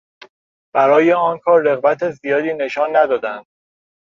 برای آن کار رغبت زیادی نشان ندادند.